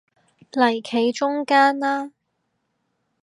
嚟企中間啦